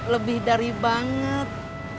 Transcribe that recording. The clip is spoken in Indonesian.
lebih dari banget